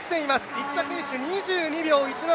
１着フィニッシュ、２２秒１７！